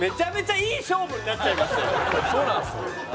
いい勝負になっちゃいましたよ。